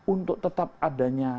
untuk tetap adanya